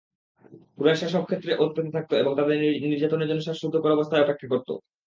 কুরাইশরা সব ক্ষেত্রেই ওঁৎ পেতে থাকত এবং তাদের নির্যাতনের জন্য শ্বাসরুদ্ধকর অবস্থায় অপেক্ষা করত।